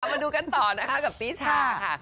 มาดูกันต่อนะคะกับปีชาค่ะ